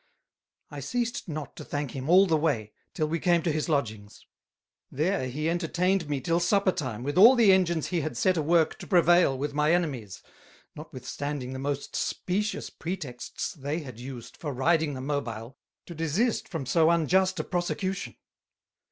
I ceased not to thank him all the way, till we came to his Lodgings; there he entertained me till Suppertime with all the Engines he had set a work to prevail with my Enemies, notwithstanding the most specious pretexts they had used for riding the Mobile, to desist from so unjust a Prosecution.